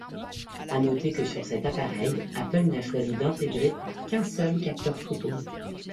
À noter que sur cet appareil, Apple n'a choisi d'intégrer qu'un seul capteur photo.